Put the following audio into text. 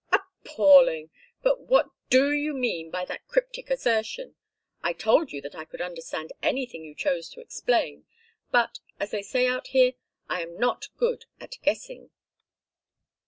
"Appalling! But what do you mean by that cryptic assertion? I told you that I could understand anything you chose to explain, but, as they say out here, I am not good at guessing."